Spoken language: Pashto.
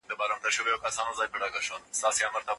که خط په خپل لاس لیکل سوی وي نو اغیز یې ډیر وي.